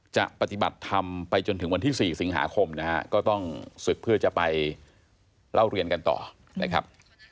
จะปฏิบัติธรรมไปจนถึงวันที่๔สิงหาคมนะฮะก็ต้องศึกเพื่อจะไปเล่าเรียนกันต่อนะครับ